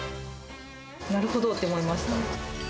なるほどと思いました。